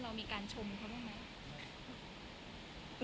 เรามีการชมเขาบ้างไหม